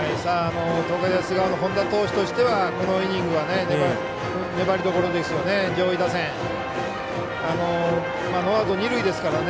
東海大菅生の本田投手としてはこのイニング粘りどころですよね。